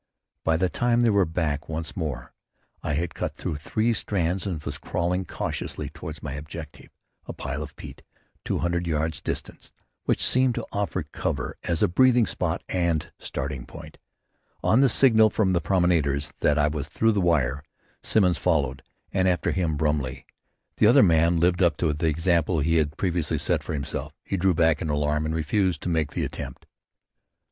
By the time they were back once more I had cut through three strands and was crawling cautiously toward my objective, a pile of peat two hundred yards distant, which seemed to offer cover as a breathing spot and starting point. On the signal from the promenaders that I was through the wire, Simmons followed, and after him, Brumley. The other man lived up to the example he had previously set himself. He drew back in alarm and refused to make the attempt.